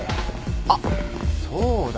あっそうだ。